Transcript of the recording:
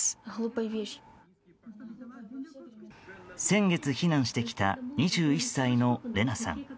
先月、避難してきた２１歳のレナさん。